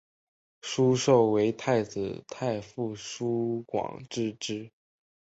疏受为太子太傅疏广之侄。